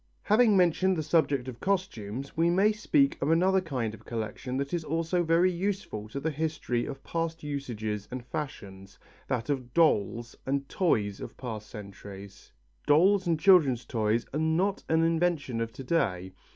Having mentioned the subject of costumes, we may speak of another kind of collection that is also very useful to the history of past usages and fashions, that of dolls and toys of past centuries. Dolls and children's toys are not an invention of to day.